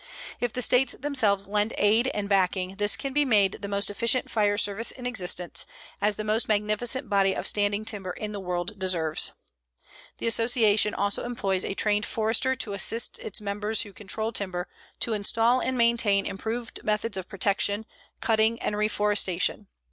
If the States themselves lend aid and backing this can be made the most efficient fire service in existence, as the most magnificent body of standing timber in the world deserves. The Association also employs a trained forester to assist its members who control timber to install and maintain improved methods of protection, cutting and reforestation.